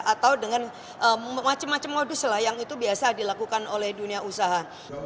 atau dengan macam macam modus lah yang itu biasa dilakukan oleh dunia usaha